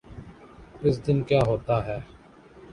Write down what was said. اس دن کیا ہوتاہے۔